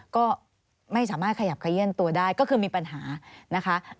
ก็ไม่สามารถขยับขยื่นตัวได้ก็คือมีปัญหานะคะ